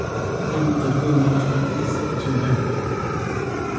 "Then it will not be easy to marry her?"